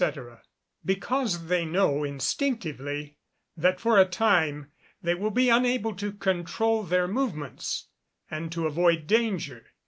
_ Because they know instinctively that for a time they will be unable to controul their own movements, and to avoid danger.